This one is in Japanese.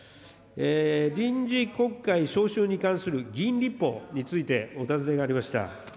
臨時国会召集に関する議員立法についてお尋ねがありました。